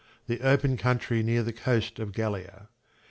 The open country near the coast of Gallia.